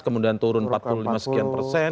kemudian turun empat puluh lima sekian persen